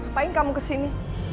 apaan kamu kesini